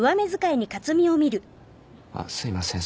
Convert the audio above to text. あっすいません